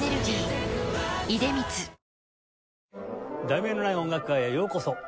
『題名のない音楽会』へようこそ。